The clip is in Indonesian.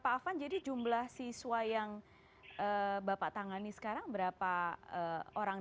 pak afan jadi jumlah siswa yang bapak tangani sekarang berapa orang